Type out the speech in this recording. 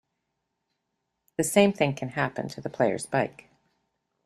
The same thing can happen to the player's bike.